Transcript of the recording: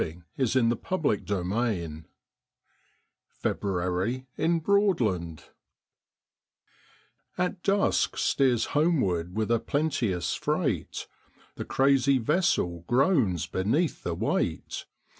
* f S ON THE MflrfWE*' I FEBRUARY IN BROADLAND, ' At dusk steers homeward with a plenteous freight, The crazy vessel groans beneath the weight.